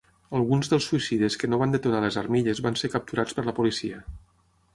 Alguns dels suïcides que no van detonar les armilles van ser capturats per la policia.